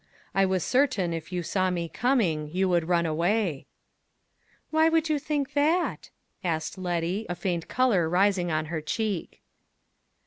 I was certain, if you saw me coming, you would run away." "Why should you think that?" asked Letty, a faint color rising in her cheek.